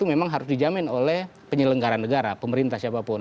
yang memang harus dijamin oleh penyelenggaran negara pemerintah siapapun